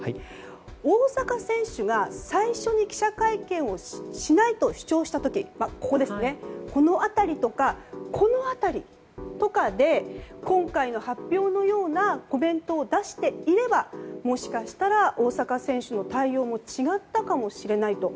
大坂選手が最初に記者会見をしないと主張した時、この辺りとかで今回の発表のようなコメントを出していればもしかしたら大坂選手の対応も違ったかもしれないと。